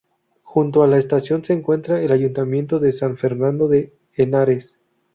Junto a la estación se encuentra el Ayuntamiento de San Fernando de Henares.